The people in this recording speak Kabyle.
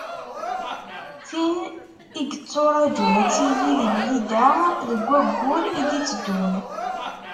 Tin i yetturaǧun ad tili di Blida deg wayyur i d-itteddun.